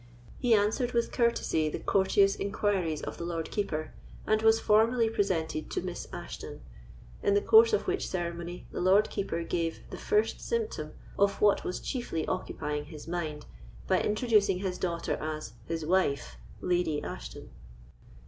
He answered with courtesy the courteous inquiries of the Lord Keeper, and was formally presented to Miss Ashton, in the course of which ceremony the Lord Keeper gave the first symptom of what was chiefly occupying his mind, by introducing his daughter as "his wife, Lady Ashton."